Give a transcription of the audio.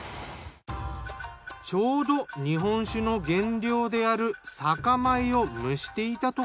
ちょうど日本酒の原料である酒米を蒸していたところ。